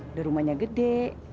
udah rumahnya gede